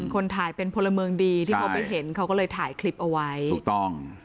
คนถ่ายเป็นพลเมืองดีที่เขาไปเห็นเขาก็เลยถ่ายคลิปเอาไว้ถูกต้อง